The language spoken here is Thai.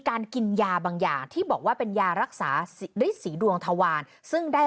กินยาบางอย่างที่บอกว่าเป็นยารักษาฤทธสีดวงทวารซึ่งได้